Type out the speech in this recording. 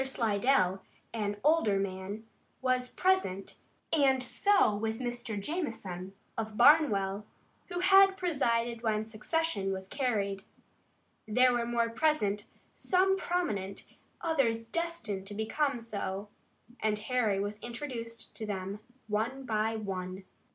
Slidell, an older man, was present and so was Mr. Jamison, of Barnwell, who had presided when secession was carried. There were more present, some prominent, others destined to become so, and Harry was introduced to them one by one.